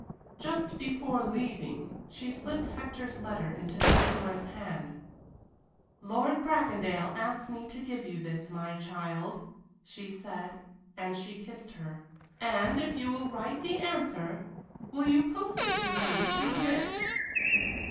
Just before leaving, she slipped Hector's letter into Theodora's hand. "Lord Bracondale asked me to give you this, my child," she said, and she kissed her. "And if you will write the answer, will you post it to him to the Ritz."